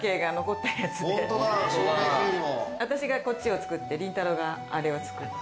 私がこっちを作って凛太郎があれを作って。